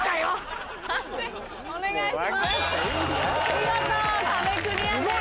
見事壁クリアです。